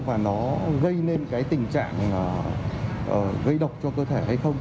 và nó gây nên cái tình trạng gây độc cho cơ thể hay không